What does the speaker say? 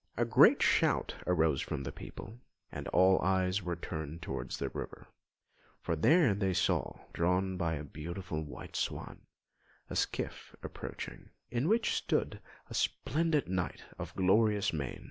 A great shout arose from the people, and all eyes were turned towards the river; for there they saw, drawn by a beautiful white swan, a skiff approaching, in which stood a splendid Knight of glorious mien.